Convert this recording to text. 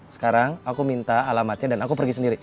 sekarang aku minta alamatnya dan aku pergi sendiri